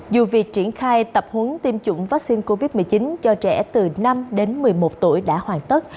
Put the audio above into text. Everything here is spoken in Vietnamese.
dù việc triển khai tập huấn tiêm chủng vaccine covid một mươi chín cho trẻ từ năm đến một mươi một tuổi đã hoàn tất